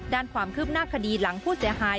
ด้านความคืบหน้าคดีหลังผู้เสียหาย